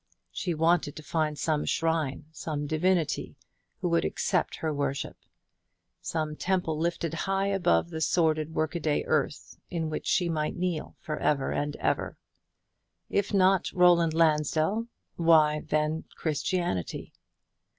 She wanted to find some shrine, some divinity, who would accept her worship; some temple lifted high above the sordid workaday earth, in which she might kneel for ever and ever. If not Roland Lansdell, why then Christianity.